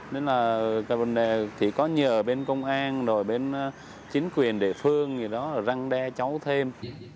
nên là cái vấn đề thì có nhờ bên công an rồi bên chính quyền địa phương gì đó răng đe cháu thêm